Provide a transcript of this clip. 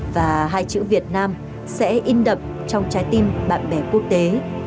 và hai chữ việt nam sẽ in đậm trong trái tim bạn bè quốc tế